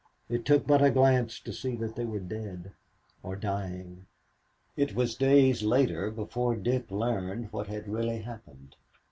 It took but a glance to see that they were dead or dying. It was days later before Dick learned what had really happened.